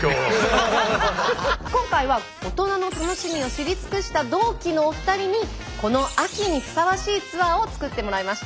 今回は大人の楽しみを知り尽くした同期のお二人にこの秋にふさわしいツアーを作ってもらいました。